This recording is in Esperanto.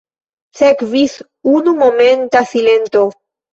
Sekvis unumomenta silento.